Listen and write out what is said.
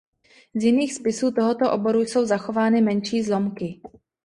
Z jiných spisů tohoto oboru jsou zachovány menší zlomky.